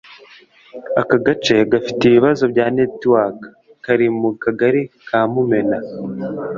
Aka gace gafite ibibazo bya network kari mu Kagari ka Mumena